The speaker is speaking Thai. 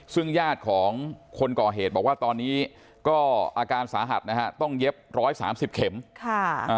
ซึ่งญาติของคนก่อเหตุบอกว่าตอนนี้ก็อาการสาหัสนะฮะต้องเย็บร้อยสามสิบเข็มค่ะอ่า